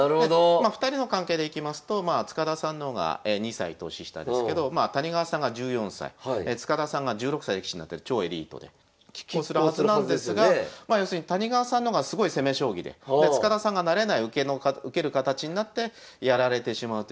２人の関係でいきますと塚田さんの方が２歳年下ですけど谷川さんが１４歳塚田さんが１６歳で棋士になってる超エリートで拮抗するはずなんですがまあ要するに谷川さんの方がすごい攻め将棋でで塚田さんが慣れない受ける形になってやられてしまうってケースが多くて。